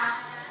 satu dua tiga